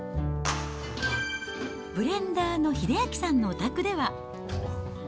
ブレンダーの英明さんのお宅では。